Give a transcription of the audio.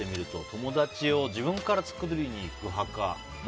友達を自分から作りに行く派か